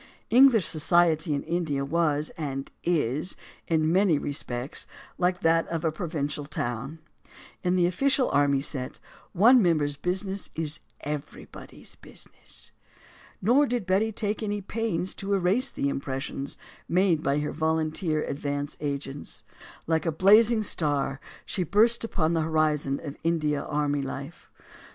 English society in India was, and is, in many respects like that of a provincial town. In the official and army set, one member's business is everybody's busi ness. Nor did Betty take any pains to erase the impres sions made by her volunteer advance agents. Like a blazing star, she burst upon the horizon of India army li f e.